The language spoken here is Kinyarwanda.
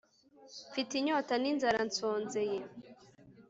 mfite inyota n'inzara nsonzeye